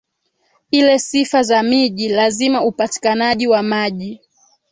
ile sifa za miji lazima upatikanaji wa maji